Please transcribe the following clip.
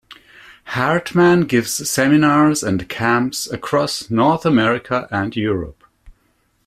Hartman gives seminars and camps across North America and Europe.